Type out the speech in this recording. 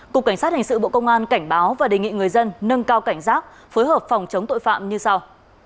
cục cảnh sát hình sự bộ công an cảnh báo và đề nghị người dân nâng cao cảnh giác phối hợp phòng chống tội phạm như sau